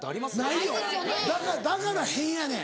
ないよだから変やねん。